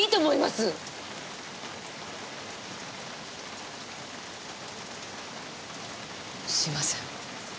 すいません。